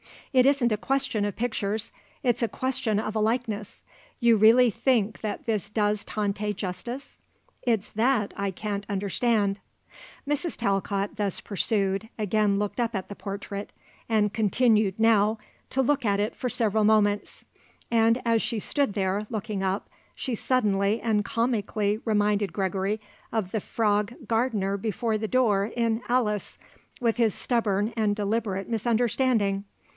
"It isn't a question of pictures; it's a question of a likeness. You really think that this does Tante justice? It's that I can't understand." Mrs. Talcott, thus pursued, again looked up at the portrait, and continued, now, to look at it for several moments. And as she stood there, looking up, she suddenly and comically reminded Gregory of the Frog gardener before the door in "Alice," with his stubborn and deliberate misunderstanding.